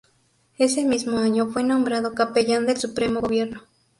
Ese mismo año fue nombrado Capellán del Supremo Gobierno.